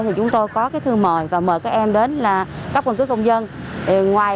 thì chúng tôi có cái thư mời và mời các em đến các quân cư công dân